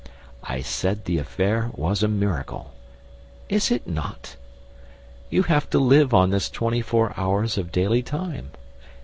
I said the affair was a miracle. Is it not? You have to live on this twenty four hours of daily time.